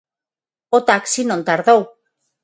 O taxi non tardou.